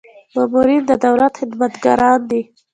مامورین د دولت خدمتګاران دي